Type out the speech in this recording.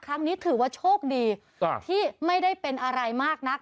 ครั้งนี้ถือว่าโชคดีที่ไม่ได้เป็นอะไรมากนัก